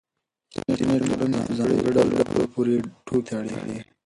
ځینې ټولنې په ځانګړو ډلو پورې ټوکې تړي.